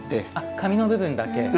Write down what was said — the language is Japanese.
紙の部分だけ。